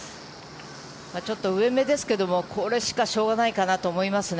ちょっと上めですけどこれしかしょうがないかなと思いますね。